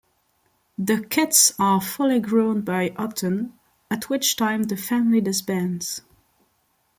The kits are fully grown by autumn, at which time the family disbands.